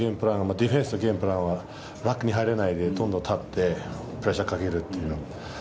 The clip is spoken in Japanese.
ディフェンスのゲームプランは枠に入らないで、どんどん立ってプレッシャーかけるっていう。